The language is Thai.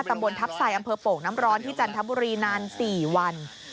ตำบลทัพไซดอำเภอโป่งน้ำร้อนที่จันทบุรีนาน๔วัน